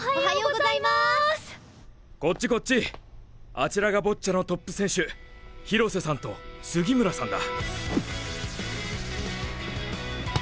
あちらがボッチャのトップ選手廣瀬さんと杉村さんだ。